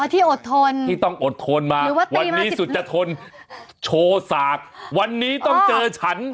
ที่อดทนที่ต้องอดทนมาวันนี้สุจทนโชว์สากวันนี้ต้องเจอฉัน